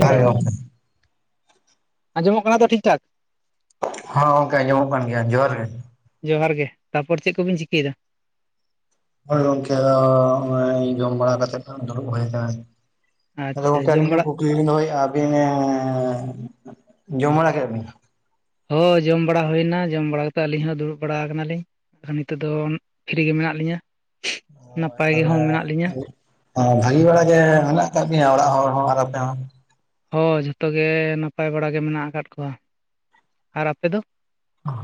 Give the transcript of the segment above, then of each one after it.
ᱡᱚᱦᱟᱨ ᱜᱮ ᱜᱚᱝᱠᱮ ᱟᱸᱡᱚᱢᱚᱜ ᱠᱟᱱᱟ ᱛᱚ ᱴᱷᱤᱠ ᱴᱷᱟᱠ ᱦᱟᱸ ᱜᱚᱝᱠᱮ ᱟᱸᱡᱚᱢᱚᱜ ᱠᱟᱱ ᱜᱮᱭᱟ ᱡᱚᱦᱟᱨ ᱜᱮ ᱡᱚᱦᱟᱨ ᱜᱮ ᱛᱟᱨᱯᱚᱨ ᱪᱮᱫ ᱠᱚᱵᱤᱱ ᱪᱤᱠᱟᱹᱭᱮᱫᱟ? ᱦᱳᱭ ᱜᱚᱝᱠᱮ [unintelligible] ᱡᱚᱢ ᱵᱟᱲᱟ ᱠᱟᱛᱮᱜ ᱫᱩᱲᱩᱵ ᱦᱩᱭ ᱟᱠᱟᱱᱟ ᱟᱨᱠᱤ ᱟᱫᱚ ᱟᱪᱪᱷᱟ ᱜᱚᱝᱠᱮ ᱡᱚᱢ ᱟᱹᱞᱤᱧ ᱦᱚᱸ ᱵᱟᱲᱟ ᱠᱩ [unintelligible] ᱱᱚᱜ-ᱚᱸᱭ ᱟᱹᱵᱤᱱ ᱦᱚᱸ--ᱡᱚᱢᱵᱟᱲᱟ ᱠᱮᱫ ᱵᱤᱱ ᱦᱳᱭ ᱡᱚᱢ ᱵᱟᱲᱟ ᱦᱩᱭᱱᱟ ᱡᱚᱢ ᱵᱟᱲᱟ ᱠᱟᱛᱮ ᱟᱹᱞᱤᱧ ᱦᱚᱸ ᱫᱩᱲᱩᱵ ᱵᱟᱲᱟ ᱟᱠᱟᱱᱟᱞᱤᱧ᱾ ᱱᱤᱛᱚᱜ ᱫᱚ ᱯᱷᱤᱨᱤ ᱜᱮ ᱢᱮᱱᱟᱜ ᱞᱤᱧᱟᱹ ᱱᱟᱯᱟᱭ ᱜᱮᱦᱚᱸ ᱢᱮᱱᱟᱜ ᱞᱤᱧᱟᱹ ᱵᱷᱟᱜᱤ ᱵᱟᱲᱟ ᱜᱮ ᱢᱮᱱᱟᱜ ᱟᱠᱟᱫ ᱯᱮᱭᱟ ᱚᱲᱟᱜ ᱦᱚᱲ ᱦᱚᱸ ᱟᱨ ᱟᱯᱮ ᱦᱚᱸ? ᱦᱳᱭ ᱡᱚᱛᱚ ᱜᱮ ᱱᱟᱯᱟᱭ ᱵᱟᱲᱟ ᱜᱮ ᱢᱮᱱᱟᱜ ᱟᱠᱟᱫ ᱠᱚᱣᱟ, ᱟᱨ ᱟᱯᱮ ᱫᱚ?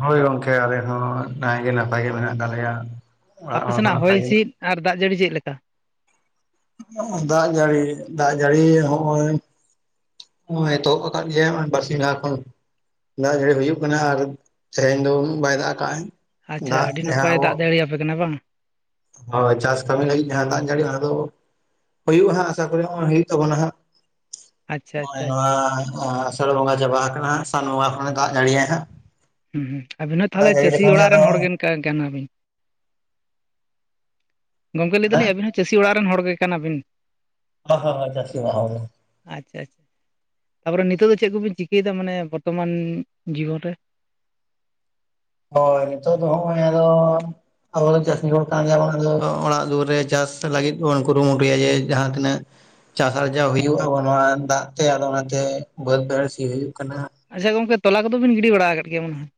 ᱦᱳᱭ ᱜᱚᱝᱠᱮ ᱟᱞᱮ ᱦᱚᱸ ᱱᱟᱭ ᱜᱮ ᱱᱟᱯᱟᱭ ᱜᱮ ᱢᱮᱱᱟᱜ ᱠᱟᱞᱮᱭᱟᱺ ᱟᱯᱮ ᱥᱮᱱᱟᱜ ᱦᱚᱭ ᱦᱤᱥᱤᱫ ᱟᱨ ᱫᱟᱜ ᱡᱟᱹᱲᱤ ᱪᱮᱫ ᱞᱮᱠᱟ? ᱫᱟᱜ ᱡᱟᱹᱲᱤ ᱫᱟᱜ ᱡᱟᱹᱲᱤ ᱦᱚᱸᱜᱼᱚᱭ᱾ ᱦᱚ ᱮᱛᱚᱦᱚᱵ ᱟᱠᱟᱫ ᱜᱮᱭᱟᱭ ᱵᱟᱨᱥᱤᱧ ᱞᱟᱦᱟ ᱠᱷᱚᱱ᱾ ᱫᱟᱜ ᱡᱟᱹᱲᱤ ᱦᱩᱭᱩᱜ ᱠᱟᱱᱟ ᱟᱨ ᱥᱮᱨᱮᱧ ᱫᱚ ᱩᱱᱟᱹᱜ ᱵᱟᱭ ᱫᱟᱜ ᱠᱟᱜᱼᱟᱭ᱾ ᱟᱪᱪᱷᱟ ᱟᱹᱰᱤ ᱱᱟᱯᱟᱭ ᱫᱟᱜ ᱫᱟᱲᱮᱭᱟᱯᱮ ᱠᱟᱱᱟ ᱵᱟᱝ? ᱦᱳᱭ ᱪᱟᱥ ᱠᱟᱹᱢᱤ ᱞᱟᱹᱜᱤᱫ ᱡᱟᱦᱟᱸ ᱫᱟᱜ ᱡᱟᱹᱲᱤ ᱚᱱᱟ ᱫᱚ ᱦᱩᱭᱩᱜᱼᱟ ᱦᱟᱸᱜ ᱟᱥᱟ ᱠᱚᱨᱮ ᱦᱚᱸᱜᱼᱚᱭ ᱦᱩᱭᱩᱜ ᱛᱟᱵᱚᱱᱟ ᱦᱟᱸᱜ, ᱟᱪᱪᱷᱟ ᱱᱚᱜᱼᱚᱭ ᱟᱪᱪᱷᱟ ᱱᱚᱣᱟ ᱟᱪᱪᱷᱟ ᱟᱥᱟᱲ ᱵᱚᱸᱜᱟ ᱪᱟᱵᱟ ᱟᱠᱟᱱᱟ ᱦᱟᱜ ᱥᱟᱱ ᱵᱚᱸᱜᱟ ᱠᱷᱚᱱᱮ ᱫᱟᱜ ᱱᱟᱟᱹᱲᱤᱭᱟᱭ ᱦᱟᱸᱜ᱾ ᱦᱡᱸ ᱦᱩᱸ ᱟᱵᱤᱱ ᱦᱚᱸ ᱫᱟᱜ ᱛᱟᱦᱚᱞᱮ ᱡᱟᱹᱲᱤ ᱪᱟᱹᱥᱤ ᱞᱮᱠᱷᱟᱱ ᱜᱮ ᱚᱲᱟᱜ ᱟᱫᱚ ᱨᱮᱱ ᱦᱚᱲᱜ ᱠᱟ ᱠᱟᱱᱟᱵᱤᱱ? ᱜᱚᱝᱠᱮ ᱞᱟᱹᱭ ᱦᱮᱸ ᱮᱫᱟᱞᱤᱧ ᱟᱵᱤᱱ ᱦᱚᱸ ᱪᱟᱹᱥᱤ ᱚᱲᱟᱜ ᱨᱮᱱ ᱦᱚᱲ ᱜᱮ ᱠᱟᱱᱟᱵᱤᱱ? ᱦᱚ ᱦᱚ ᱪᱟᱥᱤ ᱟᱲᱟᱜ ᱦᱚᱲ ᱜᱮ᱾ ᱟᱪᱪᱷᱟ ᱟᱪᱪᱷᱟ ᱛᱟᱯᱚᱨᱮ ᱱᱤᱛᱚᱜ ᱫᱚ ᱪᱮᱫ ᱠᱚᱵᱤᱱ ᱪᱤᱠᱟᱹᱭᱮᱫᱟ ᱢᱟᱱᱮ ᱵᱚᱨᱛᱚᱢᱟᱱ ᱡᱤᱵᱚᱱ ᱨᱮ? ᱦᱳᱭ ᱱᱤᱛᱚᱜ ᱫᱚ ᱟᱫᱚ ᱟᱵᱚ ᱫᱚ ᱪᱟᱹᱥᱤ ᱦᱚᱲ ᱠᱟᱱ ᱜᱮᱵᱚ ᱚᱲᱟᱜ ᱫᱩᱣᱟᱹᱨ ᱨᱮ ᱪᱟᱥ ᱞᱟᱹᱜᱤᱫ ᱵᱚᱱ ᱠᱩᱨᱩᱢᱩᱴᱩᱭᱟ ᱡᱮ ᱡᱟᱦᱟᱸ ᱛᱤᱱᱟᱹᱜ ᱪᱟᱥ ᱟᱨᱡᱟᱣ ᱦᱩᱭᱩᱜ ᱟᱵᱚ ᱱᱚᱣᱟ ᱫᱟᱜ ᱛᱮ ᱟᱫᱚ ᱚᱱᱟᱛᱮ ᱵᱟᱹᱫᱽ ᱵᱟᱹᱲᱥᱤ ᱦᱩᱭᱩᱜ ᱠᱟᱱᱟ᱾ ᱟᱪᱪᱷᱟ ᱜᱚᱝᱠᱮ ᱛᱚᱞᱟ ᱠᱚᱫᱚᱵᱤᱱ ᱜᱤᱰᱤ ᱵᱟᱲᱟ ᱟᱠᱟᱫ ᱜᱮᱭᱟ ᱢᱚᱱᱮ ᱦᱚᱭ?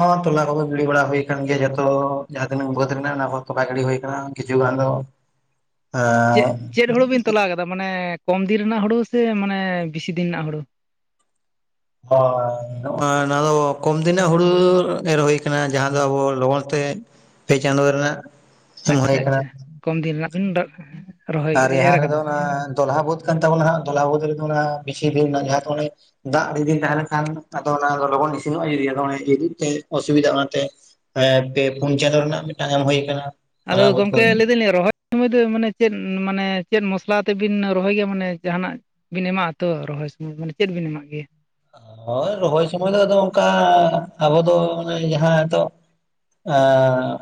ᱦᱚᱸ ᱛᱚᱞᱟ ᱠᱚᱫᱚ ᱜᱤᱲᱤ ᱵᱟᱲᱟ ᱦᱩᱭᱭᱟ ᱟᱠᱟᱱ ᱜᱮᱭᱟ ᱡᱷᱚᱛᱚ ᱡᱟᱦᱟᱸ ᱛᱤᱱᱟᱜ ᱵᱟᱹᱫᱽ ᱨᱮᱱᱟᱜ ᱠᱟᱱᱟ ᱚᱱᱟ ᱠᱚ ᱛᱚᱯ ᱜᱤᱰᱤ ᱦᱩᱭ ᱟᱠᱟᱱᱟ᱾ ᱠᱤᱪᱷᱩ ᱜᱟᱱ ᱫᱚ ᱪᱮᱫ ᱮᱸᱻ ᱪᱮᱫ ᱦᱩᱲᱩ ᱵᱤᱱ ᱛᱚᱞᱟ ᱟᱠᱟᱫᱟ ᱢᱟᱱᱮ ᱠᱚᱢ ᱫᱤᱱ ᱨᱮᱱᱟᱜ ᱦᱩᱲᱳ ᱥᱮ ᱢᱟᱱᱮ ᱵᱮᱥᱤ ᱫᱤᱱ ᱨᱮᱱᱟᱜ ᱦᱩᱲᱩ? ᱦᱚᱭ ᱱᱚᱣᱟ ᱫᱚ ᱠᱚᱢ ᱫᱤᱱ ᱦᱩᱲᱩ ᱮᱨ ᱦᱩᱭ ᱟᱠᱟᱱᱟ ᱡᱟᱦᱟᱸ ᱫᱚ ᱟᱵᱚ ᱞᱚᱜᱚᱱ ᱛᱮ ᱯᱮ ᱪᱟᱸᱫᱚ ᱨᱮᱱᱟᱜ᱾ ᱮᱢ ᱦᱩᱭ ᱟᱪᱪᱷᱟ ᱟᱠᱟᱱᱟ ᱟᱪᱪᱷᱟ ᱠᱚᱢ ᱫᱤᱱ ᱨᱮᱱᱟᱜ ᱵᱤᱱ ᱨᱚᱦᱚᱭ ᱟᱨ ᱮᱨ ᱡᱟᱦᱟᱸ ᱨᱮᱫᱚ ᱟᱠᱟᱫᱟ ᱚᱱᱟ ᱫᱚᱞᱦᱟ ᱵᱟᱹᱫᱽ ᱠᱟᱱ ᱛᱟᱵᱚᱱᱟ ᱫᱚᱦᱟ ᱵᱟᱹᱫᱽ ᱨᱮᱫᱚ ᱚᱱᱟ ᱵᱮᱥᱤ ᱫᱤᱱ ᱡᱟᱦᱟᱸ ᱫᱚ ᱩᱱᱤ ᱫᱟᱜ ᱟᱹᱰᱤ ᱫᱤᱱ ᱛᱟᱦᱮᱸ ᱞᱮᱱᱠᱷᱟᱱ ᱟᱫᱚ ᱚᱱᱟ ᱞᱚᱜᱚᱱ ᱤᱥᱤᱱᱚᱜᱼᱟ [unintelligible] ᱛᱮ ᱚᱥᱩᱵᱤᱫᱟ ᱚᱱᱟᱛᱮ ᱮᱸ ᱯᱮ ᱯᱩᱱ ᱪᱟᱸᱫᱳ ᱨᱮᱱᱟᱜ ᱢᱤᱫᱴᱟᱝ ᱮᱢ ᱦᱩᱭ ᱟᱠᱟᱱᱟ᱾ ᱟᱫᱚ ᱫᱚᱞᱦᱟ ᱵᱟᱹᱫᱽ ᱜᱚᱢᱠᱮ ᱠᱚᱨᱮ ᱞᱟᱹᱭᱤᱧ ᱨᱚᱦᱚᱭ ᱨᱚᱢᱚᱭ ᱫᱚ ᱢᱟᱱᱮ ᱪᱮᱫ ᱢᱟᱱᱮ ᱪᱮᱫ ᱢᱚᱥᱞᱟ ᱛᱮᱵᱤᱱ ᱨᱚᱦᱚᱭ ᱜᱮᱭᱟ ᱢᱟᱱᱮ ᱡᱟᱦᱟᱱᱟᱜ ᱵᱤᱱ ᱮᱢᱟᱜᱼᱟ ᱛᱚ ᱨᱚᱦᱚᱭ ᱥᱚᱢᱚᱭ ᱢᱟᱱᱮ ᱪᱮᱫ ᱵᱤᱱ ᱮᱢᱟᱜ ᱜᱮᱭᱟ? ᱦᱳᱭ ᱨᱚᱦᱚᱭ ᱥᱩᱚᱢᱚᱭ ᱫᱚ ᱟᱫᱚ ᱚᱱᱠᱟ ᱟᱵᱚ ᱫᱚ ᱢᱟᱱᱮ ᱡᱟᱦᱟᱸ ᱦᱤᱛᱚᱜ ᱮᱸᱻ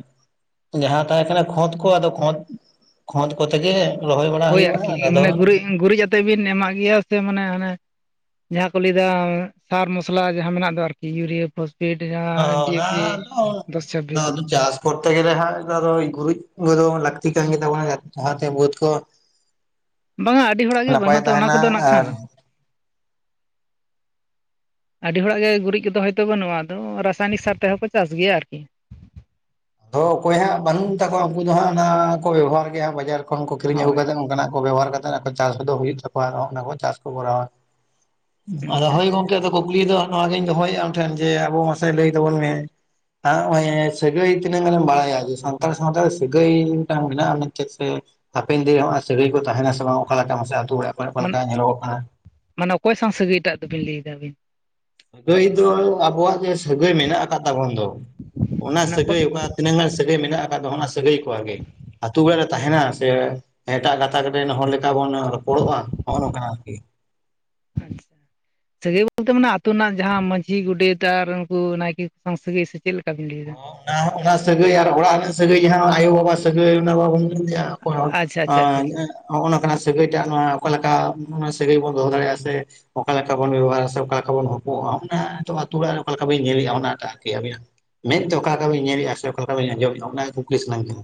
ᱡᱟᱦᱟᱸ ᱛᱟᱦᱮᱸ ᱠᱟᱱᱟ ᱠᱷᱫᱽ ᱠᱚ ᱟᱫᱚ ᱠᱷᱫᱽ ᱠᱷᱫᱽ ᱠᱚᱛᱮᱜᱮ ᱨᱚᱦᱚᱭ ᱵᱟᱲᱟ ᱦᱳᱭ ᱦᱩᱭᱩᱜᱼᱟ ᱟᱨᱠᱤ ᱟᱫᱚ᱾ ᱢᱟᱱᱮ ᱜᱩᱨᱤᱡ ᱜᱩᱨᱤᱡ ᱟᱛᱮᱜ ᱵᱤᱱ ᱮᱢᱟᱜ ᱜᱮᱭᱟ ᱥᱮ ᱢᱟᱱᱮ ᱦᱟᱱᱮ ᱡᱟᱦᱟᱸ ᱠᱚ ᱞᱟᱹᱭ ᱮᱟ ᱥᱟᱨ ᱢᱚᱥᱞᱟ ᱡᱟᱦᱟᱸ ᱢᱮᱱᱟᱜ ᱫᱚ ᱟᱨᱠᱤ ᱤᱭᱩᱨᱤᱭᱟᱹ ᱯᱚᱥᱼᱼ ᱯᱮᱴ ᱡᱟᱸᱦᱟ ᱚᱱᱟ ᱰᱤᱭᱮᱯᱤ ᱫᱚ ᱫᱚᱥ ᱪᱷᱟᱵᱵᱤᱥ᱾ ᱟᱫᱚ ᱪᱟᱥ ᱠᱚᱨᱛᱮ ᱜᱮᱞ ᱦ ᱜᱩᱨᱤᱡ ᱜ ᱞᱟᱹᱠᱛᱤ ᱠᱟᱱ ᱜᱮᱛᱟ ᱵᱚᱱ ᱞᱟᱦᱟᱛᱮ ᱵᱟᱹᱫᱽ ᱠᱚ ᱵᱟᱝᱟ ᱟᱹᱰᱤ ᱦᱚᱲᱟᱜ ᱜᱮ ᱱᱟᱯᱟᱭ ᱵᱟᱹᱱᱩᱜ ᱛᱚ ᱚᱱᱟ ᱛᱟᱦᱮᱱᱟ, ᱠᱚᱫᱚ ᱱᱟᱜ ᱟᱨ ᱠᱷᱟᱱ [inaudible] ᱟᱹᱰᱤ ᱦᱚᱲᱟᱜ ᱜᱮ ᱜᱩᱨᱤᱡ ᱠᱚᱫᱚ ᱦᱳᱭᱛᱳ ᱵᱟᱹᱱᱩᱜᱼᱟ ᱟᱫᱚ ᱨᱟᱥᱟᱭᱱᱤᱠ ᱥᱟᱨ ᱛᱮᱦᱚᱸ ᱠᱚ ᱪᱟᱥ ᱜᱮᱭᱟ ᱟᱨᱠᱤ᱾ ᱛᱳ ᱚᱠᱚᱭ ᱦᱟᱸᱜ ᱵᱟᱹᱱᱩᱜ ᱢᱮᱛᱟ ᱠᱚᱣᱟ ᱩᱱᱠᱩ ᱫᱚ ᱦᱟᱸᱜ ᱚᱱᱟ ᱠᱚ ᱵᱮᱵᱚᱦᱟᱨ ᱜᱮᱭᱟ ᱦᱟᱸᱜ ᱵᱟᱡᱟᱨ᱾ ᱩᱱᱠᱩ ᱠᱤᱨᱤᱧ ᱟᱹᱜᱩ ᱦᱳᱭ ᱠᱟᱛᱮᱫ ᱚᱱᱠᱟᱱᱟᱜ ᱠᱚ ᱵᱮᱵᱚᱦᱟᱨ ᱠᱟᱛᱮ ᱪᱟᱥ ᱫᱚ ᱦᱩᱭᱩᱜ ᱛᱟᱠᱚᱣᱟ ᱟᱨ ᱚᱱᱟ ᱠᱚ ᱪᱟᱥ ᱠᱚ ᱠᱚᱨᱟᱣᱟ᱾ ᱟᱫᱚ ᱟᱪᱪᱷᱟ ᱦᱳᱭ ᱟᱪᱪᱷᱟ ᱜᱚᱝᱠᱮ ᱫᱚ ᱠᱩᱠᱞᱤ ᱫᱚ ᱚᱱᱟᱜᱤᱧ ᱫᱚᱦᱚᱭᱮᱫᱼᱟ ᱟᱢ ᱴᱷᱮᱱ ᱡᱮ ᱟᱵᱚ ᱢᱟᱥᱮ ᱞᱟᱹᱭ ᱛᱟᱵᱚᱱ ᱢᱮ ᱱᱚᱜᱚᱭ ᱥᱟᱹᱜᱟᱹᱭ ᱛᱱᱟᱹᱢ ᱵᱟᱲᱟᱭᱟ ᱡᱮ ᱥᱟᱱᱛᱟᱲ ᱥᱟᱶᱛᱟ ᱨᱮ ᱥᱤᱜᱟᱹᱭ ᱢᱤᱫᱴᱟᱝ ᱢᱮᱱᱟᱜᱼᱟ ᱢᱮᱱᱛᱮ ᱥᱮ ᱦᱟᱯᱮᱱ ᱫᱤᱱᱮ ᱦᱚᱸ ᱥᱟᱹᱜᱟᱹᱭ ᱠᱚ ᱛᱟᱦᱮᱱᱟ ᱥᱮ ᱵᱟᱝ ᱚᱠᱟ ᱞᱮᱠᱟ ᱢᱟᱥᱮ ᱟᱛᱳ ᱚᱲᱟᱜ ᱠᱚᱨᱮ ᱚᱠᱟ ᱢᱟᱱᱮ ᱞᱮᱠᱟ ᱧᱮᱞᱚᱜ ᱠᱟᱱᱟ᱾ ᱢᱟᱱᱮ ᱚᱠᱚᱭ ᱥᱟᱶ ᱥᱟᱹᱜᱟᱹᱭ ᱴᱟᱜ ᱫᱚᱵᱤᱱ ᱞᱟᱹᱭ ᱮᱫᱟ ᱥᱟᱹᱜᱟᱹᱭ ᱫᱚ ᱟᱵᱚᱣᱟᱜ ᱡᱮ ᱥᱟᱹᱜᱟᱹᱭ ᱢᱮᱱᱟᱜ ᱟᱠᱟᱫ ᱛᱟᱵᱚᱱ ᱫᱚ ᱚᱱᱟ ᱢᱟᱱᱮ ᱚᱠᱚᱭ ᱥᱟᱹᱜᱟᱹᱭ ᱚᱠᱟ ᱛᱤᱱᱟᱹᱜ ᱜᱟᱱ ᱥᱟᱹᱜᱟᱹᱭ ᱢᱮᱱᱟᱜ ᱟᱠᱟᱫ ᱥᱟᱹᱜᱟᱹᱭ ᱠᱚ ᱜᱮ ᱟᱛᱮ ᱟᱛᱩ ᱚᱲᱟᱜ ᱨᱮ ᱛᱟᱦᱮᱱᱟ ᱥᱮ ᱮᱴᱟᱜ ᱜᱟᱛᱟᱠ ᱨᱮᱱ ᱦᱚᱲ ᱞᱮᱠᱟ ᱵᱚᱱ ᱨᱚᱯᱚᱲᱚᱜᱼᱟ ᱱᱚᱜᱼᱚ ᱱᱚᱝᱠᱟ ᱟᱨᱠᱤ᱾ ᱟᱪᱪᱷᱟ [inaudible] ᱥᱟᱹᱜᱟᱹᱭ ᱵᱚᱞᱛᱮ ᱢᱟᱱᱮ ᱟ ᱟᱹᱛᱩ ᱨᱮᱱᱟᱜ ᱡᱟᱦᱟᱸ ᱢᱟᱺᱡᱷᱤ ᱜᱚᱰᱮᱛ ᱟᱨ ᱩᱱᱠᱩ ᱱᱟᱭᱠᱮ ᱠᱚ ᱥᱟᱶ ᱥᱟᱹᱜᱟᱹᱭ ᱥᱮ ᱪᱮᱫ ᱞᱮᱠᱟ ᱵᱤᱱ ᱞᱟᱹᱭ ᱫᱟ? ᱚᱱᱟ ᱚᱱᱟ ᱥᱟᱹᱜᱟᱹᱭ ᱟᱨ ᱚᱲᱟᱜ ᱨᱮᱱᱟᱜ ᱥᱟᱹᱜᱟᱹᱭ ᱡᱟᱦᱟᱸ ᱟᱭᱳᱵᱟᱵᱟ ᱥᱟᱹᱜᱟᱹᱭ ᱚᱱᱟ ᱵᱟᱵᱚ [unintelligible] ᱟᱪᱪᱷᱟ ᱟᱪᱪᱷᱟ ᱟᱪᱪᱷᱟ ᱟᱪᱪᱷᱟ ᱦᱚᱸᱜᱼᱚ ᱱᱚᱝᱠᱟ ᱥᱟᱹᱜᱟᱹᱭ ᱴᱟᱜ ᱱᱚᱣᱟ ᱚᱠᱟ ᱞᱮᱠᱟ ᱥᱟᱹᱜᱟᱹᱭ ᱵᱚᱱ ᱫᱚᱦᱚ ᱫᱟᱲᱮᱭᱟᱜᱼᱟ ᱥᱮ ᱚᱠᱟ ᱞᱮᱠᱟ ᱵᱚᱱ ᱵᱮᱵᱚᱦᱟᱨᱟ ᱥᱮ ᱚᱠᱟ ᱞᱮᱠᱟ ᱵᱚᱱ ᱦᱚᱯᱚᱜᱼᱟ᱾ ᱚᱱᱟ ᱱᱤᱛᱚᱜ ᱟᱛᱩ ᱚᱲᱟᱜ ᱨᱮ ᱚᱠᱟ ᱞᱮᱠᱟ ᱵᱤᱱ ᱧᱮᱞᱮᱫᱼᱟ? ᱚᱱᱟ ᱮᱴᱟᱜ ᱟᱹᱵᱤᱱᱟᱜ ᱢᱮᱫᱛᱮ ᱚᱠᱟ ᱚᱠᱟ ᱞᱮᱠᱟ ᱵᱤᱱ ᱧᱮᱞᱮᱫᱼᱟ ᱥᱮ ᱚᱠᱟ ᱞᱮᱠᱟ ᱵᱤᱱ ᱟᱸᱡᱚᱢᱮᱫ-ᱟ ᱚᱱᱟ ᱜᱮ ᱠᱩᱠᱞᱤ ᱥᱟᱱᱟᱧ ᱠᱟᱱᱟ᱾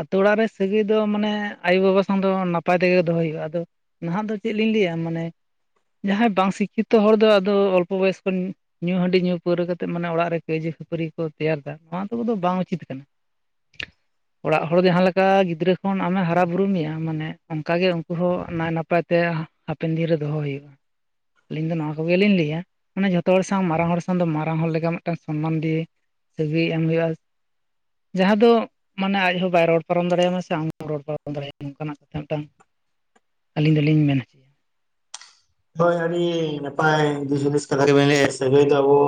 ᱟᱛᱳ ᱚᱲᱟᱜ ᱨᱮ ᱥᱟᱹᱜᱟᱹᱭ ᱫᱚ ᱢᱟᱱᱮ ᱟᱭᱳ ᱵᱟᱵᱟ ᱥᱟᱶ ᱫᱚ ᱱᱟᱯᱟᱭ ᱛᱮᱜᱮ ᱫᱚᱦᱚᱭ ᱦᱩᱭᱩᱜᱼᱟ ᱾ᱟᱫᱚ ᱱᱟᱦᱟᱜ ᱫᱚ ᱪᱮᱫ ᱞᱤᱧ ᱞᱟᱹᱭ-ᱟ ᱢᱟᱱᱮ [unintelligible] ᱡᱟᱦᱟᱸᱭ ᱵᱟᱝ ᱥᱤᱠᱠᱷᱤᱛᱚ ᱦᱚᱲ ᱫᱚ ᱟᱫᱚ ᱚᱞᱯᱚ ᱵᱚᱭᱚᱥ ᱠᱷᱚᱱ ᱧᱩ ᱦᱟᱺᱰᱤ ᱧᱩ ᱯᱟᱹᱣᱨᱟᱹ ᱠᱟᱛᱮᱫ ᱢᱟᱱᱮ ᱚᱲᱟᱜ ᱨᱮ ᱠᱟᱹᱭᱡᱟᱹ ᱠᱷᱟᱹᱯᱟᱹᱨᱤ ᱠᱚ ᱛᱮᱭᱟᱨ ᱮᱫᱟ ᱱᱚᱣᱟ ᱠᱚᱫᱚ ᱵᱟᱝ ᱩᱪᱤᱛ ᱠᱟᱱᱟ᱾ ᱚᱲᱟᱜ ᱦᱚᱲ ᱡᱟᱦᱟᱸ ᱞᱮᱠᱟ ᱜᱤᱫᱽᱨᱟᱹ ᱠᱷᱚᱱ ᱟᱢ ᱮ ᱦᱟᱨᱟ ᱵᱩᱨᱩ ᱢᱮᱭᱟ ᱢᱟᱱᱮ ᱚᱱᱠᱟᱜ ᱜᱮ ᱩᱱᱠᱩ ᱦᱚᱸ ᱱᱟᱭ ᱱᱟᱯᱟᱭ ᱛᱮ ᱛᱮ ᱦᱟᱯᱮᱱ ᱫᱤᱱ ᱨᱮ ᱫᱚᱦᱚ ᱦᱩᱭᱩᱜᱼᱟ᱾ [unintelligible] ᱟᱹᱞᱤᱧ ᱫᱚ ᱱᱚᱣᱟ ᱠᱚᱜᱮᱞᱤᱧ ᱞᱟᱹᱭ-ᱟ᱾ ᱢᱟᱱᱮ ᱡᱷᱚᱛᱚ ᱦᱚᱲ ᱥᱟᱶ ᱢᱟᱨᱟᱝ ᱦᱚᱲ ᱥᱟᱶ ᱫᱚ ᱢᱟᱨᱟᱝ ᱦᱚᱲ ᱞᱮᱠᱟ ᱢᱤᱫᱴᱟᱝ ᱥᱚᱱᱢᱟᱱ ᱫᱤᱭᱮ ᱥᱟᱹᱜᱟᱹᱭ ᱮᱢ ᱦᱩᱭᱩᱜᱼᱟ᱾ ᱡᱟᱦᱟᱸ ᱫᱚ ᱢᱟᱱᱮ ᱟᱡ ᱦᱚᱸ ᱵᱟᱭ ᱨᱚᱲ ᱯᱟᱨᱚᱢ ᱫᱟᱲᱮ ᱟᱢᱟ ᱥᱮ ᱟᱢ ᱦᱚᱸ ᱨᱚᱲ ᱯᱟᱨᱚᱢ ᱫᱟᱲᱮᱭᱟᱢ ᱢᱟ ᱱᱚᱱᱠᱟᱱᱟᱜ ᱢᱤᱫᱴᱟᱝ ᱟᱹᱞᱤᱧ ᱫᱚᱞᱤᱧ ᱢᱮᱱᱟ᱾ ᱦᱳᱭ ᱟᱹᱰᱤ ᱱᱟᱯᱟᱭ ᱫᱤᱥ ᱦᱩᱫᱤᱥ ᱠᱟᱛᱷᱟ ᱜᱮᱵᱤᱱ ᱞᱟᱹᱭ ᱮᱫᱟ ᱥᱟᱹᱜᱟᱹᱭ ᱫᱚ ᱟᱵᱚ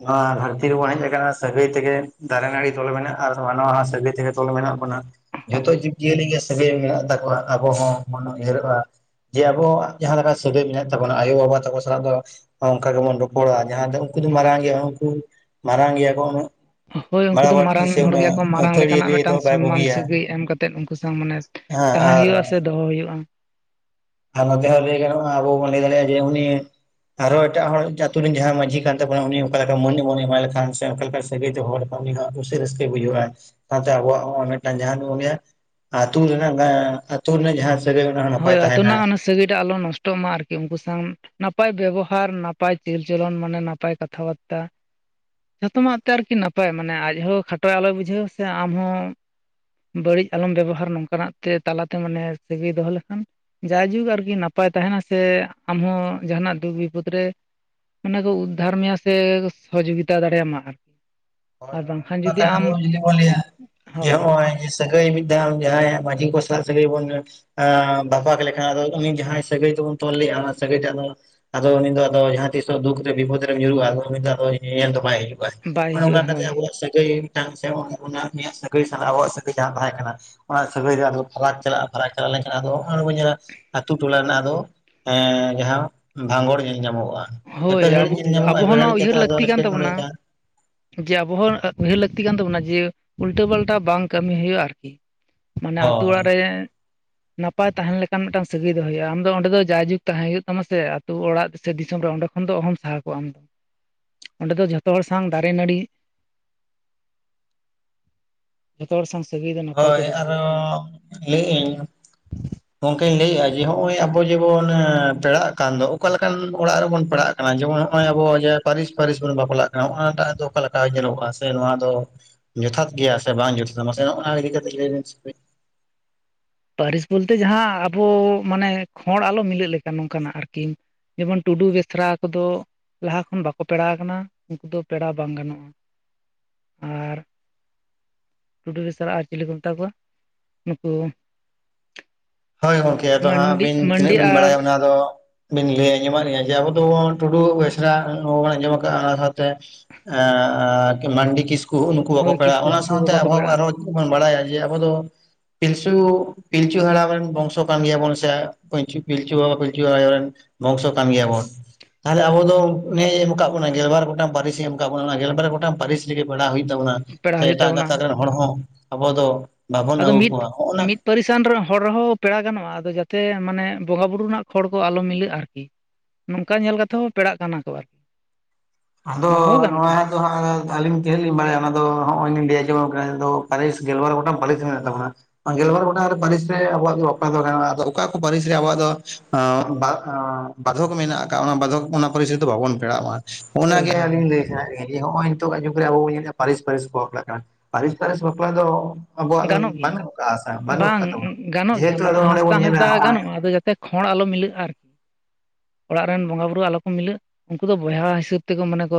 ᱱᱚᱣᱟ ᱫᱷᱟᱹᱨᱛᱤ ᱨᱮᱵᱚᱱ ᱦᱮᱡ ᱟᱠᱟᱱᱟ ᱥᱟᱹᱜᱟᱹᱭ ᱛᱮᱜᱮ ᱫᱟᱨᱮ ᱱᱟᱹᱲᱤ ᱛᱚᱞ ᱢᱮᱱᱟᱜᱼᱟ ᱟᱨ ᱢᱟᱱᱣᱟ ᱥᱟᱹᱜᱟᱹᱭ ᱛᱮᱜᱮ ᱛᱚᱞ ᱢᱮᱱᱟᱜ ᱵᱚᱱᱟ᱾ ᱡᱷᱚᱛᱚ ᱡᱤᱵᱽ ᱡᱤᱭᱟᱹᱞᱤ ᱜᱮ ᱥᱟᱹᱜᱟᱹᱭ ᱢᱮᱱᱟᱜ ᱛᱟᱠᱚᱣᱟ ᱟᱵᱚ ᱦᱚᱸ ᱵᱚᱱ ᱩᱭᱦᱟᱹᱨᱚᱜᱼᱟ ᱡᱮ ᱟᱵᱚᱣᱟᱜ ᱡᱟᱦᱟᱸ ᱞᱮᱠᱟ ᱥᱟᱹᱜᱟᱹᱭ ᱢᱮᱱᱟᱜ ᱛᱟᱵᱚᱱᱟ ᱟᱭᱳᱼᱵᱟᱵᱟ ᱛᱟᱠᱚ ᱥᱟᱞᱟᱜ ᱫᱚ ᱚᱱᱠᱟ ᱜᱮᱵᱚᱱ ᱨᱚᱯᱚᱲᱟ ᱡᱟᱦᱟᱸ ᱫᱚ ᱩᱱᱠᱩ ᱫᱚ ᱢᱟᱨᱟᱝ ᱜᱮᱭᱟ ᱠᱚ ᱩᱱᱠᱩ ᱢᱟᱨᱟᱝ ᱜᱮᱭᱟ ᱠᱚ ᱩᱱᱟᱹᱜ ᱦᱳᱭ ᱩᱱᱠᱩ ᱵᱟᱲᱟ ᱫᱚ ᱵᱟᱹᱲᱛᱤ ᱢᱟᱨᱟᱝ ᱥᱮ ᱦᱚᱲ ᱜᱮᱭᱟ ᱩᱱᱟᱹᱜ ᱠᱚ ᱢᱟᱨᱟᱝ ᱟᱹᱛᱷᱟᱹᱲᱤ ᱞᱮᱠᱟᱱᱟᱜ ᱨᱟᱹᱭ ᱫᱚ ᱢᱤᱫᱴᱟᱝ ᱵᱟᱭ ᱥᱚᱱᱢᱟᱱ ᱵᱩᱜᱤᱭᱟ ᱥᱟᱹᱜᱟᱹᱭ ᱮᱢ ᱠᱟᱛᱮᱫ ᱩᱱᱠᱩ ᱥᱟᱶ ᱢᱟᱱᱮ ᱦᱮᱸ ᱛᱟᱦᱮᱸ ᱟᱨ ᱦᱩᱭᱩᱜᱼᱟ ᱥᱮ ᱫᱚᱦᱚ ᱦᱩᱭᱩᱜ-ᱟ᱾ ᱟᱨ ᱱᱚᱛᱮ ᱦᱚ ᱞᱟᱹᱭ ᱜᱟᱱᱚᱜ-ᱟ ᱟᱵᱚ ᱵᱟᱱ ᱞᱟᱹᱭ ᱫᱟᱲᱮ ᱡᱮ ᱩᱱᱤ ᱟᱨᱷᱚ ᱮᱴᱟᱜ ᱦᱚᱲ ᱟᱛᱩ ᱨᱮᱱ ᱡᱟᱦᱟᱸᱭ ᱢᱟᱺᱡᱷᱤ ᱠᱟᱱ ᱛᱟᱵᱚᱱᱟ ᱩᱱᱤ ᱚᱱᱠᱟ ᱞᱮᱠᱟ ᱢᱟᱹᱱᱮ ᱵᱚᱱ ᱮᱢᱟᱭ ᱞᱮᱠᱷᱟᱱ ᱥᱮ ᱚᱱᱠᱟ ᱞᱮᱠᱟ ᱥᱟᱹᱜᱟᱹᱭ ᱛᱮ ᱦᱚᱲ ᱩᱱᱤ ᱦᱚᱸ ᱠᱩᱥᱤ ᱨᱟᱹᱥᱠᱟᱹᱭ ᱵᱩᱡᱷᱟᱹᱣᱟ᱾ ᱥᱟᱶᱛᱮ ᱟᱵᱚᱣᱟᱜ ᱦᱚᱸ ᱢᱤᱫᱴᱟᱱ ᱡᱟᱦᱟᱸ ᱫᱚ ᱩᱱᱤ ᱟᱜ ᱟᱹᱛᱩ ᱨᱮᱱᱟᱜ ᱜᱟᱭᱟᱱ ᱟᱹᱛᱩ ᱨᱮᱱᱟᱜ ᱡᱟᱦᱟ ᱦᱳᱭ ᱟᱹᱛᱩ ᱨᱮᱱᱟᱜ ᱚᱱᱟ ᱥᱟᱹᱜᱟᱹᱭ ᱴᱟᱜ ᱟᱞᱚ ᱱᱚᱥᱴᱚᱜ ᱢᱟ ᱟᱨᱠᱤ ᱩᱱᱠᱩ ᱥᱟᱶ ᱱᱟᱯᱟᱭ ᱵᱮᱵᱚᱦᱟᱨ ᱱᱟᱯᱟᱭ ᱪᱟᱹᱞᱪᱚᱞᱚᱱ ᱢᱟᱱᱮ ᱱᱟᱯᱟᱭ ᱠᱟᱛᱷᱟ ᱵᱟᱛᱨᱟ ᱡᱷᱚᱛᱚᱢᱟᱜ ᱛᱮ ᱟᱨᱠᱤ ᱱᱟᱯᱟᱭ ᱢᱟᱱᱮ ᱟᱡ ᱦᱚᱸ ᱠᱷᱟᱴᱚ ᱟᱞᱚᱭ ᱵᱩᱡᱷᱟᱹᱣ ᱥᱮ ᱟᱢ ᱦᱚᱸ ᱵᱟᱹᱲᱤᱡ ᱟᱞᱚᱢ ᱵᱮᱵᱚᱦᱟᱨ ᱱᱚᱝᱠᱟᱱᱟᱜ ᱛᱮ ᱛᱟᱞᱟᱛᱮ ᱢᱟᱱᱮ ᱥᱟᱹᱜᱟᱹᱭ ᱫᱚᱦᱚ ᱡᱟᱭᱡᱩᱜᱽ ᱟᱨᱠᱤ ᱱᱟᱯᱟᱭ ᱛᱟᱦᱮᱱᱟ ᱥᱮ ᱟᱢ ᱦᱚᱸ ᱡᱟᱦᱟᱱᱟᱜ ᱫᱩᱠ ᱵᱤᱯᱚᱫᱽ ᱨᱮ ᱢᱟᱱᱮ ᱠᱚ ᱩᱫᱽᱫᱷᱟᱨ ᱢᱮᱭᱟ ᱥᱮ ᱥᱚᱦᱚᱡᱳᱜᱤᱛᱟ ᱫᱟᱲᱮ ᱟᱢᱟ ᱦᱟᱸᱜ ᱦᱳᱭ᱾ ᱚᱱᱟ ᱛᱟᱭᱚᱢ ᱡᱩᱫᱤ ᱵᱚᱱ ᱞᱟᱹᱭᱟ ᱡᱮ ᱦᱳᱭ ᱱᱚᱭ-ᱚᱭ ᱡᱮ ᱥᱟᱹᱜᱟᱹᱭ ᱢᱤᱫ ᱫᱷᱟᱣ ᱡᱟᱦᱟᱸᱭᱟᱜ ᱢᱟᱺᱡᱷᱤ ᱠᱚ ᱥᱟᱶ ᱥᱟᱹᱜᱟᱹᱭ ᱵᱚᱱ ᱵᱟᱯᱟᱠ ᱞᱮᱠᱷᱟᱱ ᱟᱫᱚ ᱩᱱᱤ ᱡᱟᱦᱟᱸᱭ ᱥᱟᱹᱜᱟᱹᱭ ᱫᱚᱵᱚᱱ ᱛᱚᱞ ᱞᱮᱫᱟ ᱚᱱᱟ ᱥᱟᱹᱜᱟᱹᱭ ᱴᱟᱜ ᱫᱚ ᱟᱫᱚ ᱩᱱ ᱫᱚ ᱟᱫᱚ ᱡᱟᱦᱟᱸ ᱛᱤᱥᱚᱜ ᱫᱩᱠ ᱨᱮ ᱵᱤᱯᱚᱫᱽ ᱨᱮᱢ ᱧᱩᱨᱩᱜᱼᱟ ᱟᱫᱚ ᱩᱱᱤ ᱫᱚ ᱟᱫᱚ ᱧᱮᱧᱮᱞ ᱫᱚ ᱵᱟᱭ ᱦᱤᱡᱩᱜᱼᱟ᱾ ᱵᱟᱭ ᱚᱱᱮ ᱦᱤᱡᱩᱜᱼᱟ ᱚᱝᱠᱟ ᱠᱟᱛᱮᱫ ᱦᱳᱭ ᱟᱵᱚᱣᱟᱜ ᱥᱟᱹᱜᱟᱹᱭ ᱢᱤᱫᱴᱟᱝ ᱥᱮ [unintelligible] ᱩᱱᱤᱭᱟᱜ ᱥᱟᱹᱜᱟᱹᱭ ᱥᱟᱞᱟᱜ ᱟᱵᱚᱣᱟᱜ ᱥᱟᱹᱜᱟᱹᱭ ᱡᱟᱦᱟᱸ ᱛᱟᱦᱮᱸ ᱠᱟᱱᱟ ᱚᱱᱟ ᱥᱟᱹᱜᱟᱹᱭ ᱟᱫᱚ ᱯᱷᱟᱨᱟᱠ ᱪᱟᱞᱟᱜᱼᱟ ᱾ᱯᱷᱟᱨᱟᱠ ᱪᱟᱞᱟᱣ ᱞᱮᱱᱠᱷᱟᱱ ᱟᱫᱚ [unintelligible] ᱧᱮᱞᱟ ᱟᱹᱛᱩ ᱴᱚᱞᱟ ᱨᱮᱱᱟᱜ ᱟᱫᱚ [unintelligible] ᱡᱟᱦᱟᱸ ᱵᱷᱟᱸᱜᱚᱲ ᱧᱮᱞ ᱧᱟᱢᱚᱜᱼᱟ᱾ ᱦᱳᱭ ᱮᱯᱮᱨ ᱦᱮᱸᱰᱮᱡ ᱟᱵᱚ ᱧᱮᱞ ᱧᱟᱢᱚᱜᱼᱟ ᱟᱵᱚ ᱮᱯᱮᱨ ᱦᱚᱸ ᱱᱚᱣᱟ ᱦᱮᱸᱰᱮᱡ ᱠᱟᱛᱮ ᱩᱭᱦᱟᱹᱨ ᱟᱫᱚ ᱞᱟᱹᱠᱛᱤ ᱠᱟᱱ ᱮᱴᱠᱮᱴᱚᱬᱮ ᱛᱟᱵᱚᱱᱟ᱾ ᱡᱮ ᱟᱵᱚ ᱦᱚᱸ ᱩᱭᱦᱟᱹᱨ ᱞᱟᱹᱠᱛᱤ ᱠᱟᱱ ᱛᱟᱵᱚᱱᱟ ᱡᱮ ᱩᱞᱴᱟᱹ ᱯᱟᱞᱴᱟ ᱵᱟᱝ ᱠᱟᱹᱢᱤ ᱦᱳᱭᱳᱜᱼᱟ ᱟᱨᱠᱤ ᱢᱟᱱᱮ ᱟᱹᱛᱩ ᱦᱳᱭ ᱚᱲᱟᱜ ᱨᱮ ᱱᱟᱯᱟᱭ ᱛᱟᱦᱮᱱ ᱞᱮᱠᱟᱱ ᱢᱤᱫᱴᱟᱝ ᱥᱟᱹᱜᱟᱹᱭ ᱫᱚᱦᱚ ᱦᱩᱭᱩᱜ-ᱟ ᱟᱢ ᱫᱚ ᱚᱸᱰᱮ ᱫᱚ ᱡᱟᱭᱡᱩᱜᱽ ᱛᱟᱦᱮᱸ ᱦᱳᱭᱳᱜ ᱛᱟᱢᱟ ᱥᱮ ᱟᱛᱩ ᱚᱲᱟᱜ ᱥᱮ ᱫᱤᱥᱚᱢ ᱨᱮ ᱚᱸᱰᱮ ᱠᱷᱚᱱ ᱫᱚ ᱚᱦᱚᱢ ᱥᱟᱦᱟ ᱠᱚᱜ-ᱟ᱾ ᱚᱸᱰᱮ ᱫᱚ ᱡᱷᱚᱛᱚ ᱦᱚᱲ ᱥᱟᱝ ᱫᱟᱨᱮ ᱱᱟᱹᱲᱤ [unintelligible] ᱡᱷᱚᱛᱚ ᱦᱚᱲ ᱥᱟᱝ ᱥᱟᱹᱜᱟᱹᱭ ᱵᱮᱱ ᱦᱳᱭ ᱟᱨᱚ ᱞᱟᱹᱭ ᱮᱫᱟᱹᱧ ᱜᱚᱝᱠᱮ ᱞᱟᱹᱭᱮᱫᱼᱟ ᱡᱮ ᱱᱚᱜᱼᱚᱭ ᱟᱵᱚ ᱡᱮᱵᱚᱱ ᱯᱮᱲᱟᱜ ᱠᱟᱱ ᱫᱚ, ᱚᱠᱟ ᱞᱮᱠᱟᱱ ᱚᱲᱟᱜ ᱨᱮᱵᱚᱱ ᱯᱮᱲᱟᱜ ᱠᱟᱱᱟ? ᱡᱮᱢᱚᱱ ᱱᱚᱜᱼᱚᱭ ᱟᱵᱚ ᱡᱮ ᱯᱟᱹᱨᱤᱥ ᱯᱟᱹᱨᱤᱥ ᱵᱚᱱ ᱵᱟᱯᱞᱟᱜ ᱠᱟᱱᱟ ᱾ ᱱᱚᱜᱼᱚ ᱱᱚᱣᱟ ᱴᱟᱜ ᱫᱚ ᱚᱠᱟ ᱞᱮᱠᱟ ᱧᱮᱞᱚᱜᱼᱟ? ᱥᱮ ᱱᱚᱣᱟ ᱫᱚ ᱡᱚᱛᱷᱟᱛ ᱜᱮᱭᱟ ᱥᱮ ᱵᱟᱝ ᱡᱚᱛᱷᱟᱛᱷᱟ ᱢᱟᱥᱮ ᱚᱱᱟ ᱤᱫᱤ ᱠᱟᱛᱮ ᱞᱟᱹᱭᱵᱤᱱ ᱾ ᱯᱟᱹᱨᱤᱥ ᱵᱚᱞᱛᱮ ᱡᱟᱸᱦᱟᱸ, ᱟᱵᱚ ᱢᱟᱱᱮ ᱠᱷᱚᱲ ᱟᱞᱚ ᱢᱤᱞᱟᱹᱜ ᱞᱮᱠᱟ ᱱᱚᱝᱠᱟᱱᱟᱜ ᱟᱨᱠᱤᱼᱼ ᱡᱮᱢᱚᱱ ᱴᱩᱰᱩ ᱵᱮᱥᱨᱟ ᱠᱚᱫᱚ ᱞᱟᱦᱟ ᱠᱷᱚᱱ ᱵᱟᱠᱚ ᱯᱮᱲᱟ ᱠᱟᱱᱟ, ᱩᱱᱠᱩ ᱫᱚ ᱯᱮᱲᱟ ᱵᱟᱝ ᱜᱟᱱᱚᱜᱼᱟ ᱾ ᱟᱨ ᱴᱩᱰᱩ-ᱵᱮᱥᱨᱟ ᱟᱨ ᱪᱤᱞᱤ ᱠᱚ ᱢᱮᱛᱟ ᱠᱚᱣᱟ ᱱᱩᱠᱩ ᱦᱳᱭ ᱜᱚᱝᱠᱮ ᱟᱫᱚ ᱦᱟᱸᱜ ᱢᱟᱱᱰᱤ ᱟᱹᱵᱤᱱ ᱛᱤᱱᱟᱹᱜ ᱢᱟᱱᱰᱤ ᱵᱤᱱ ᱟᱨ ᱵᱟᱲᱟᱭᱟ ᱾ ᱚᱱᱟ ᱫᱚ ᱵᱤᱱ ᱞᱟᱹᱭ ᱟᱸᱡᱚᱢᱟᱫ ᱞᱤᱧᱟ ᱡᱮ, ᱟᱵᱚ ᱫᱚ ᱴᱩᱰᱩ ᱵᱮᱥᱨᱟ ᱱᱚ ᱵᱚᱱ ᱟᱸᱡᱚᱢ ᱟᱠᱟᱜᱼᱟ ᱚᱱᱟ ᱥᱟᱶᱛᱮ ᱮᱸ ᱢᱟᱱᱰᱤ ᱠᱤᱥᱠᱩ ᱦᱩᱜᱱᱩᱠᱩ ᱵᱟᱠᱚ ᱦᱳᱭ ᱯᱮᱲᱟᱜᱼᱟ ᱠᱤᱥᱠᱩ ᱾ ᱚᱱᱟ ᱱᱩᱠᱩ ᱦᱚᱸ ᱥᱟᱶᱛᱮ ᱵᱟᱠᱚ ᱟᱵᱚ ᱟᱨᱦᱚ ᱯᱮᱲᱟᱜᱼᱟ ᱵᱚᱱ ᱵᱟᱲᱟᱭᱟ, ᱡᱮ ᱟᱵᱚ ᱫᱚ ᱯᱤᱞᱪᱩ, ᱯᱤᱞᱪᱩ ᱦᱟᱲᱟᱢ ᱨᱮᱱ ᱵᱚᱝᱥᱚ ᱠᱟᱱ ᱜᱮᱭᱟᱵᱚᱱ ᱾ ᱥᱮ ᱯᱤᱞᱪᱩ ᱵᱟᱵᱟ ᱯᱤᱞᱪᱩ ᱟᱭᱳ ᱨᱮᱱ ᱵᱚᱝᱥᱚ ᱠᱟᱱ ᱜᱮᱭᱟᱵᱚᱱ ᱾ ᱛᱟᱦᱚᱞᱮ ᱟᱵᱚ ᱫᱚ ᱱᱮ ᱮᱢ ᱠᱟᱫ ᱵᱚᱱᱟ ᱜᱮᱞᱵᱟᱨ ᱜᱚᱴᱟᱝ ᱯᱟᱹᱨᱤᱥ ᱾ ᱮ ᱮᱢ ᱠᱟᱫ ᱵᱚᱱᱟ ᱚᱱᱟ ᱜᱮᱞᱵᱟᱨ ᱜᱚᱴᱟᱝ ᱯᱟᱹᱨᱤᱥ ᱯᱮᱲᱦᱟᱜ ᱦᱩᱭᱩᱜ ᱛᱟᱵᱚᱱᱟ ᱯᱮᱲᱟ ᱥᱮ ᱦᱩᱭᱩᱜ ᱮᱴᱟᱜ ᱛᱟᱵᱚᱱᱟ ᱜᱟᱛᱟᱠ ᱨᱮᱱ ᱦᱚᱲ ᱦᱚᱸ ᱟᱵᱚ ᱫᱚᱼᱼ ᱟᱫᱚ ᱢᱤᱫ ᱢᱤᱫ ᱯᱟᱹᱨᱤᱥᱟᱱ ᱦᱚᱲ ᱨᱮᱦᱚ ᱯᱮᱲᱟ ᱜᱟᱱᱚᱜᱼᱟ ᱾ ᱟᱫᱚ ᱡᱟᱛᱮ ᱢᱟᱱᱮ ᱵᱚᱸᱜᱟ ᱵᱩᱨᱩ ᱨᱮᱱᱟᱜ ᱠᱷᱚᱲ ᱠᱚ ᱟᱞᱚ ᱢᱤᱞᱟᱹᱜᱼᱟ ᱟᱨᱠᱤ ᱾ ᱱᱚᱝᱠᱟ ᱧᱮᱞ ᱠᱟᱛᱮ ᱦᱚᱸ ᱯᱮᱲᱟᱜ ᱠᱟᱱᱟ ᱠᱚ ᱟᱨᱠᱤ ᱾ ᱟᱫᱚ ᱱᱚᱣᱟ ᱟᱫᱚ ᱦᱟᱸᱜ ᱟᱹᱞᱤᱧ ᱛᱮᱦᱧ ᱞᱤᱧ ᱵᱟᱲᱭᱟ ᱚᱱᱟ ᱫᱚ ᱦᱚᱜᱼᱚᱭᱞᱤᱧ ᱡᱮ, ᱯᱟᱹᱨᱤᱥ ᱜᱮᱞᱵᱟᱨ ᱜᱚᱴᱟᱝ ᱯᱟᱹᱨᱤᱥ ᱢᱮᱱᱟᱜ ᱛᱟᱵᱚᱱᱟ ᱾ ᱜᱮᱞ ᱵᱟᱨ ᱜᱚᱴᱟᱝ ᱯᱟᱹᱨᱤᱥ ᱨᱮ ᱟᱵᱚᱣᱟᱜ ᱵᱟᱯᱟ ᱫᱚ ᱜᱟᱱᱚᱜᱼᱟ ᱾ᱟᱫᱚ ᱚᱠᱟ ᱠᱚ ᱯᱟᱹᱨᱤᱥ ᱨᱮ ᱟᱵᱚᱣᱟᱜ ᱫᱚ ᱵᱟᱫᱷᱚᱠ ᱢᱮᱱᱟᱜᱼᱠᱟ, ᱚᱱᱟ ᱵᱟᱫᱷᱚᱠ ᱚᱱᱟ ᱯᱟᱹᱨᱤᱥ ᱨᱮᱫᱚ ᱵᱟᱵᱚᱱ ᱯᱮᱲᱟᱜᱼᱟ ᱾ ᱦᱳᱭ ᱚᱱᱟᱜᱮ ᱦᱳᱭ ᱟᱹᱞᱤᱧ ᱦᱳᱭ ᱞᱟᱹᱭ ᱥᱟᱱᱟᱭᱮᱫ ᱞᱤᱧᱟᱹ ᱡᱧ ᱱᱚᱜᱼᱚᱭ ᱛᱚ ᱟᱡᱚᱢ ᱠᱮᱫᱟᱵᱚᱱ ᱯᱟᱹᱨᱤᱥ ᱯᱟᱹᱨᱤᱥ ᱠᱚ ᱵᱟᱯᱞᱟ ᱠᱟᱱᱟ ᱯᱟᱹᱨᱤᱥ ᱯᱟᱹᱨᱤᱥ ᱵᱟᱯᱞᱟ ᱫᱚ ᱟᱵᱚᱣᱟᱜᱫᱚ ᱜᱟᱱᱚᱜ ᱜᱮᱭᱟ ᱵᱟᱹᱱᱩᱜ ᱠᱟᱜᱼᱟ, ᱥᱮ ᱵᱟᱹᱱᱩᱜ ᱵᱟᱝ ᱠᱟᱫ ᱛᱟᱵᱚᱱᱟ ᱾ ᱜᱟᱱᱚᱜ ᱡᱮᱦᱮᱛᱩ ᱟᱫᱚ ᱚᱱᱰᱮ ᱵᱚᱱ ᱧᱮᱞᱟ ᱦᱚᱜᱼᱚᱭ, ᱠᱷᱚᱲ ᱟᱞᱚ ᱢᱤᱞᱟᱹᱜᱼᱟ ᱟᱨ ᱾ ᱚᱲᱟᱜ ᱨᱮᱱ ᱵᱚᱸᱜᱟ ᱵᱩᱨᱩ ᱟᱞᱚ ᱠᱚ ᱢᱤᱞᱟᱹᱜ, ᱩᱱᱠᱩ ᱫᱚ ᱵᱚᱭᱦᱟ ᱦᱤᱥᱟᱹᱵ ᱛᱮᱠᱚ ᱢᱟᱱᱮ ᱠᱚ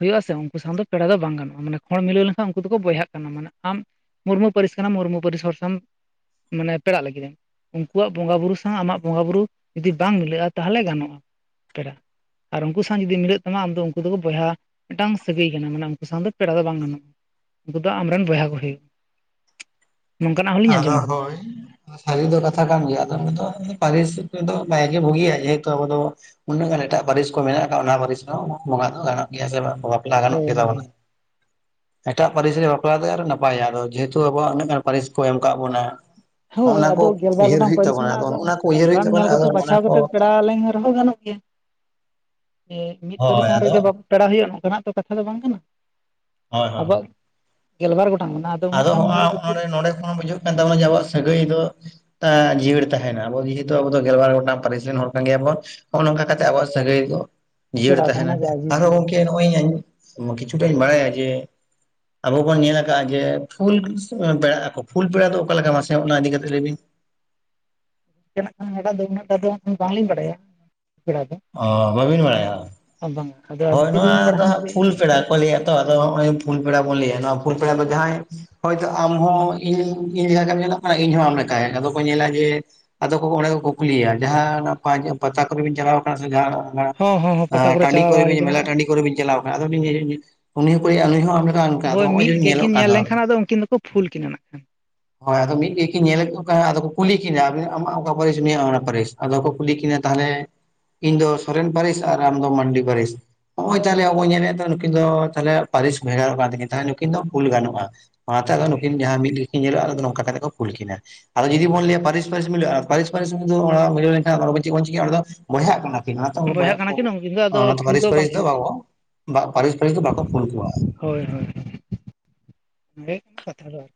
ᱦᱩᱭᱩᱜᱼᱟ ᱥᱮ ᱾ ᱩᱱᱠᱩ ᱥᱟᱶ ᱫᱚ ᱯᱮᱲᱟ ᱫᱚ ᱵᱟᱝ ᱜᱟᱱᱚᱜᱼᱟ ᱾ ᱢᱟᱱᱮ ᱠᱷᱚᱲ ᱢᱤᱞᱟᱹᱣ ᱞᱮᱱᱠᱷᱟᱱ ᱩᱱᱠᱩ ᱫᱚᱠᱚ ᱵᱚᱭᱦᱟᱜ ᱠᱟᱱᱟ ᱾ ᱢᱟᱱᱮ ᱟᱢ ᱢᱩᱨᱢᱩ ᱯᱟᱹᱨᱤᱥ ᱠᱟᱱᱟᱢ, ᱢᱩᱨᱢᱩ ᱯᱟᱹᱨᱤᱥ ᱦᱚᱲᱥᱟᱣ ᱢᱟᱱᱮ ᱯᱮᱲᱟᱜ ᱞᱟᱹᱜᱤᱫ ᱩᱱᱠᱩᱣᱟᱜ ᱵᱚᱸᱜᱟ ᱵᱩᱨᱩ ᱥᱟᱶ ᱟᱢᱟᱜ ᱵᱚᱸᱜᱟ ᱵᱩᱨᱩ ᱡᱩᱫᱤ ᱵᱟᱝ ᱢᱤᱞᱟᱹᱜᱼᱟ ᱾ ᱛᱟᱦᱚᱞᱮ ᱜᱟᱱᱚᱜᱼᱟ ᱯᱮᱲᱟ ᱾ ᱟᱨ ᱩᱱᱠᱩ ᱥᱟᱶ ᱡᱩᱫᱤ ᱢᱤᱞᱟᱹᱜ ᱛᱟᱢᱟ ᱾ ᱟᱢᱫᱚ ᱩᱱᱠᱩ ᱫᱚᱠᱚ ᱵᱚᱭᱦᱟ ᱢᱤᱫᱴᱟᱝ ᱥᱟᱹᱜᱟᱹᱭ ᱠᱟᱱᱟ ᱾ ᱢᱟᱱᱮ ᱩᱱᱠᱩ ᱥᱟᱶ ᱫᱚ ᱯᱮᱲᱟ ᱫᱚ ᱵᱟᱝ ᱜᱟᱱᱚᱜᱼᱟ ᱾ ᱩᱱᱠᱩ ᱫᱚ ᱟᱢᱨᱮᱱ ᱵᱚᱭᱦᱟ ᱵᱩᱦᱤ ᱾ ᱟᱫᱚ ᱟᱸᱡᱚᱢ ᱟᱠᱟᱫᱟ ᱦᱳᱭ ᱥᱟᱹᱨᱤ ᱫᱚ ᱠᱟᱛᱷᱟ ᱠᱟᱱ ᱜᱮᱭᱟ ᱾ ᱟᱫᱚ ᱩᱱᱤᱫᱚ ᱯᱟᱹᱨᱤᱥ ᱦᱤᱥᱟᱹᱵᱽ ᱛᱮᱫᱚ ᱵᱟᱭ ᱜᱮ ᱵᱩᱜᱤᱭᱟ ᱡᱮᱦᱮᱛᱩ ᱟᱵᱚ ᱫᱚ, ᱩᱱᱟᱹᱜ ᱜᱟᱱ ᱮᱴᱟᱜ ᱯᱟᱹᱨᱤᱥ ᱠᱚ ᱢᱮᱱᱟᱜ ᱠᱟᱜᱼᱟ ᱾ ᱚᱱᱟ ᱯᱟᱹᱨᱤᱥ ᱠᱚᱦᱚᱸ ᱵᱚᱸᱜᱟ ᱫᱚ ᱜᱟᱱᱚᱜ ᱜᱮᱭᱟ ᱾ ᱥᱮ ᱵᱟᱝ ᱞᱟ ᱜᱟᱱᱚᱜ ᱦᱳᱭ ᱦᱳᱭ ᱜᱮᱛᱟᱵᱚᱱᱟ ᱦᱳᱭ [unintelligible] ᱮᱴᱟᱜ ᱯᱟᱹᱨᱤᱥ ᱨᱮ ᱵᱟᱯᱞᱟᱛᱮ ᱱᱟᱯᱟᱭᱟ ᱾ ᱡᱮᱦᱮᱛᱩ ᱟᱵᱚᱣᱟᱜ ᱩᱱᱟᱹᱜ ᱜᱟᱱ ᱯᱟᱹᱨᱤᱥ ᱠᱚ ᱮᱢ ᱟᱠᱟᱫ ᱵᱚᱱᱟ ᱾ ᱦᱚᱸᱜᱼᱚ ᱦᱳᱭ ᱱᱟ ᱠᱚ ᱟᱫᱚ ᱜᱮᱞᱵᱟᱨ ᱩᱭᱦᱟᱹᱨ ᱜᱚᱴᱟᱝ ᱦᱩᱭᱩᱜ ᱯᱟᱹᱨᱤᱥ ᱛᱟᱵᱚᱱᱟ ᱾ ᱟᱫᱚ ᱢᱮᱱᱟᱜᱼᱟ ᱚᱱᱟ ᱠᱚ ᱩᱭᱦᱟᱹᱨ ᱦᱩᱭᱩᱜ ᱚᱱᱠᱟᱢ ᱛᱟᱵᱚᱱᱟ ᱧᱮᱞ ᱠᱟᱛᱮ ᱟᱫᱚ ᱚᱱᱟ ᱵᱟᱪᱷᱟᱣ ᱠᱚ ᱠᱟᱛᱮᱫ ᱯᱮᱲᱟ ᱞᱮᱱ ᱨᱮᱦᱚᱸ ᱜᱟᱱᱚᱜ ᱜᱮᱭᱟ ᱡᱮ ᱢᱤᱫ ᱯᱟᱹᱨᱤᱥ ᱦᱳᱭ ᱥᱟᱶ ᱟᱫᱚ ᱨᱮᱜᱮ ᱯᱮᱲᱟ ᱦᱩᱭᱩᱜᱼᱟ, ᱱᱚᱝᱠᱟᱱᱟᱜ ᱛᱚ ᱠᱟᱛᱷᱟ ᱫᱚ ᱵᱟᱝ ᱠᱟᱱᱟ ᱦᱳᱭ ᱾ ᱦᱳᱭ ᱟᱵᱚᱣᱟᱜ ᱜᱮᱞᱵᱟᱨ ᱜᱚᱴᱟᱝ ᱢᱮᱱᱟᱜᱼᱟ ᱾ ᱟᱫᱚ ᱦᱚᱸᱜᱼᱚᱭ ᱱᱚᱰᱮ ᱠᱷᱚᱱ, ᱵᱩᱡᱷᱟᱹᱜ ᱠᱟᱱ ᱛᱟᱵᱚᱱᱟ ᱾ ᱡᱮ ᱟᱵᱚᱣᱟᱜ ᱥᱟᱹᱜᱟᱹᱭ ᱫᱚ, ᱮ ᱡᱤᱭᱟᱹᱲ ᱛᱟᱦᱮᱱᱟ ᱾ ᱟᱵᱚ ᱡᱮᱦᱮᱛᱩ ᱟᱵᱚᱫᱚ ᱜᱮᱞᱵᱟᱨ ᱜᱚᱴᱟᱝ ᱯᱟᱹᱨᱤᱥ ᱨᱮᱱ ᱦᱚᱲ ᱠᱟᱱ ᱜᱮᱭᱟᱵᱚᱱ ᱾ ᱦᱚᱜᱼ ᱱᱚᱝᱠᱟ ᱠᱟᱛᱮᱜ ᱟᱵᱚᱣᱟᱜ ᱥᱟᱹᱜᱟᱹᱭ ᱫᱚ ᱡᱤᱭᱟᱹᱲ ᱡᱚᱲᱟᱣ ᱛᱟᱦᱮᱱᱟ ᱡᱟ ᱾ ᱡᱤᱵᱽ ᱟᱨᱦᱚ ᱡᱤᱭᱟᱹᱞᱤ ᱜᱚᱝᱠᱮ ᱤᱧ ᱠᱤᱪᱷᱩᱴᱟᱹᱧ ᱵᱟᱲᱟᱭᱟ, ᱡᱮ ᱟᱵᱚ ᱵᱚᱱ ᱧᱮᱞ ᱟᱠᱟᱜᱼᱟ ᱡᱮ ᱯᱷᱩᱞ ᱯᱮᱲᱟ ᱟᱠᱚ, ᱯᱷᱩᱞ ᱯᱮᱲᱟ ᱫᱚ ᱚᱠᱟ ᱞᱮᱠᱟ? ᱢᱟᱥᱮ ᱚᱱᱟ ᱤᱫᱤᱠᱟ ᱠᱟᱛᱮᱜ ᱞᱟᱹᱭᱵᱤᱱ? ᱚᱱᱠᱟᱱᱟᱜ ᱫᱚ ᱩᱱᱟᱹᱜᱴᱟ ᱫᱚ ᱵᱟᱝᱞᱤᱧ ᱵᱟᱰᱟᱭᱟ ᱾ ᱚᱸᱻ ᱵᱟᱹᱵᱤᱱ ᱵᱟᱲᱟᱭᱟ ᱵᱟᱝ ᱟᱫᱚ ᱦᱳᱭ ᱟᱹᱵᱤᱱ ᱫᱤᱱ ᱱᱚᱣᱟ ᱫᱚ ᱢᱟᱲᱟᱝ ᱦᱟᱸᱜ ᱯᱷᱩᱞ ᱠᱚᱵᱤᱱ ᱯᱮᱲᱟ, ᱠᱚ ᱞᱟᱹᱭᱟ ᱛᱚ ᱟᱫᱚ ᱱᱚᱜᱚᱭ ᱯᱷᱩᱞ ᱯᱮᱲᱟ ᱵᱚᱱ ᱞᱟᱹᱭᱟ ᱱᱚᱣᱟ ᱯᱷᱩᱞ ᱯᱮᱲᱟ ᱫᱚ ᱡᱟᱦᱟᱸᱭ ᱦᱳᱭᱛᱳ ᱟᱢᱦᱚᱸ ᱤᱧ ᱤᱧ ᱞᱮᱠᱟ ᱧᱮᱞᱚᱜ ᱠᱟᱱᱟ ᱤᱧᱦᱚᱸ ᱟᱢ ᱞᱮᱠᱟᱭᱟ ᱟᱫᱚ ᱠᱚ ᱧᱮᱞᱟ ᱡᱮ ᱟᱫᱚ ᱠᱚ ᱚᱸᱰᱮ ᱠᱚ ᱠᱩᱠᱞᱤᱭᱟ ᱡᱟᱦᱟᱸ ᱯᱟᱛᱟ ᱠᱚᱨᱮᱵᱤᱱ ᱪᱟᱞᱟᱣ ᱠᱟᱱᱟ ᱥᱮ ᱡᱟᱦ ᱦᱚᱸ ᱦᱚᱸ ᱦᱚᱸ ᱯᱟᱛᱟ ᱴᱟᱺᱰᱤ ᱪᱟᱞᱟᱣ ᱠᱚᱨᱮ ᱵᱟᱲᱟ ᱦᱩᱭ ᱢᱮᱞᱟ ᱠᱟᱱᱟ ᱴᱟᱺᱰᱤ ᱠᱚᱨᱮ ᱵᱤᱱ ᱪᱟᱞᱟᱣ ᱠᱟᱱᱟ ᱟᱫᱚ ᱩᱱᱤ ᱦᱚᱸ [unintelligible] ᱦᱳᱭ ᱱᱚᱜᱼᱚᱭ ᱡᱮ ᱢᱤᱫ ᱧᱮᱞᱚᱜ ᱜᱮᱠᱤᱱ ᱠᱟᱱ ᱧᱮᱞ ᱫᱚ ᱞᱮᱱᱠᱷᱟᱱ ᱟᱫᱚ ᱩᱱᱠᱤᱱ ᱫᱚᱠᱚ ᱯᱷᱩᱞ ᱠᱤᱱᱟ ᱱᱟᱜ ᱦᱳᱭ ᱟᱫᱚ ᱢᱤᱫ ᱜᱮᱠᱤᱱ ᱧᱮᱞᱮᱫ ᱠᱚ ᱟᱫᱚ ᱠᱚ ᱠᱩᱞᱤ ᱠᱤᱱᱟ ᱟᱢᱟᱜ ᱚᱠᱟ ᱯᱟᱹᱨᱤᱥ ᱱᱩᱭᱟ ᱚᱱᱟ ᱯᱟᱹᱨᱤᱥ ᱟᱫᱚ ᱠᱚ ᱠᱩᱞᱤ ᱠᱤᱱᱟᱹ ᱛᱟᱦᱚᱞᱮ ᱤᱧ ᱫᱚ ᱥᱚᱨᱮᱱ ᱯᱟᱹᱨᱤᱥ ᱟᱨ ᱟᱢᱫᱚ ᱢᱟᱱᱰᱤ ᱯᱟᱹᱨᱤᱥ ᱱᱚᱜ ᱚᱚᱭ ᱛᱟᱦᱚᱞᱮ ᱟᱵᱚ ᱧᱮᱞᱮᱫ ᱱᱩᱠᱤᱱ ᱫᱚ ᱛᱟᱦᱮ ᱯᱟᱹᱨᱤᱥ ᱵᱷᱮᱜᱟᱨᱚᱜ ᱠᱟᱱ ᱛᱟᱠᱤᱱ ᱛᱟᱦᱮᱫ ᱛᱟᱦᱚᱞᱮ ᱱᱩᱠᱤᱱ ᱫᱚ ᱯᱷᱩᱞ ᱜᱟᱱᱚᱜᱼᱟ ᱚᱱᱟᱛᱮ ᱟᱫᱚ ᱦᱳᱭ ᱱᱩᱠᱤᱱ ᱦᱳᱭ ᱡᱟᱦᱟᱸ ᱢᱤᱫ ᱜᱮᱠᱤᱱ ᱧᱮᱞᱚᱜᱼᱟ, ᱟᱫᱚ ᱱᱚᱝᱠᱟ ᱠᱟᱛᱮᱜ ᱠᱚ ᱯᱷᱩᱞ ᱠᱤᱱᱟ ᱾ ᱟᱫᱚ ᱡᱚᱫᱤ ᱵᱚᱱ ᱞᱟᱭᱟ ᱯᱟᱹᱨᱤᱥ ᱯᱟᱹᱨᱤᱥ ᱢᱤᱞᱟᱹᱜᱼᱟ ᱯᱟᱹᱨᱤᱥ ᱯᱟᱹᱨᱤᱥ ᱥᱚᱢᱚᱭ ᱫᱚ ᱚᱱᱟ ᱢᱤᱞᱟᱹᱣ ᱞᱮᱱᱠᱷᱟᱱ ᱚᱱᱟ ᱪᱮᱫ ᱵᱚᱱ ᱪᱤᱠᱟᱹᱭᱟ, ᱚᱸᱰᱮ ᱫᱚ ᱵᱚᱭᱦᱟᱜ ᱠᱟᱱᱟ ᱠᱤᱱ ᱱᱛᱮ ᱵᱚᱭᱦᱟ ᱵᱚᱭᱦᱟᱜ ᱠᱚ, ᱠᱟᱱᱟ ᱠᱤᱱ ᱩᱱᱠᱤᱱ ᱫᱚ ᱚᱱᱟ ᱟᱫᱚ ᱚᱱᱟᱛᱮ ᱯᱷᱩᱞ ᱯᱟᱹᱨᱤᱥ ᱯᱟᱹᱨᱤᱥ ᱫᱚ ᱵᱟᱝᱠᱤᱱ ᱜᱟᱱᱚᱜᱼᱟ ᱵᱟᱵᱚ ᱯᱟᱹᱨᱤᱥ ᱯᱟᱹᱨᱤᱥ ᱫᱚ ᱵᱟᱠᱚ ᱠᱷᱩᱞ ᱠᱚᱣᱟ᱾ ᱦᱳᱭ ᱦᱳᱭ [unintelligible] ᱫᱚ ᱟᱨᱠᱤ